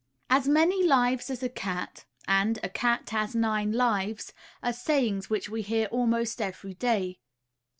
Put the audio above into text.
"As many lives as a cat," and "a cat has nine lives," are sayings which we hear almost every day.